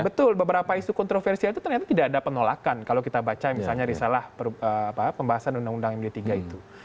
betul beberapa isu kontroversial itu ternyata tidak ada penolakan kalau kita baca misalnya risalah pembahasan undang undang md tiga itu